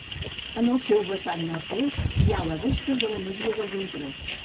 En el seu vessant nord-oest hi ha les restes de la masia del Vintró.